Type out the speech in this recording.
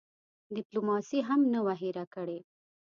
ډیپلوماسي هم نه وه هېره کړې.